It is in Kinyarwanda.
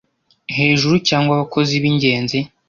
hejuru cyangwa abakozi b ingenzi